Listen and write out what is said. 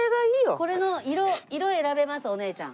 これの色選べますお姉ちゃん。